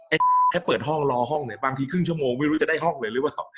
ให้แค่เปิดห้องรอห้องเนี่ยบางทีครึ่งชั่วโมงไม่รู้จะได้ห้องเลยหรือเปล่า